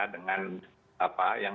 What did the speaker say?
dengan apa yang